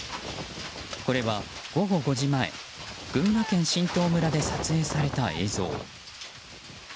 これは午後５時前群馬県榛東村で撮影された映像。